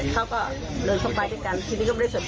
เขาก็เลยส่งไปด้วยกันที่นี่ก็ไม่ได้สะเป็น